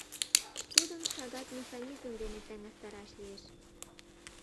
Тудым шагат механизм дене таҥастараш лиеш.